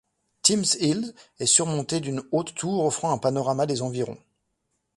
Timms Hill est surmontée d'une haute tour offrant un panorama des environs.